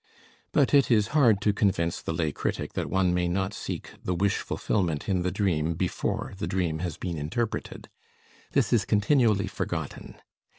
But it is hard to convince the lay critic that one may not seek the wish fulfillment in the dream before the dream has been interpreted. This is continually forgotten.